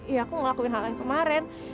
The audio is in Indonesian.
iya aku ngelakuin hal yang kemarin